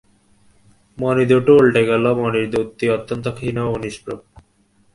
মণিদুটো উল্টে গেল, মণির দ্যুতি অত্যন্ত ক্ষীণ ও নিম্প্রভ।